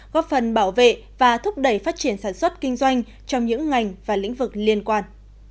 góp phần bảo vệ và thúc đẩy phát triển sản xuất kinh doanh trong những ngành và lĩnh vực liên quan